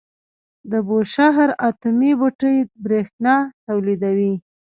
د بوشهر اټومي بټۍ بریښنا تولیدوي.